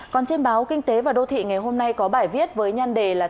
còn trên báo kinh tế và đô thị ngày hôm nay có bài viết với nhan đề là